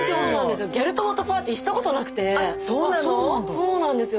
そうなんですよ。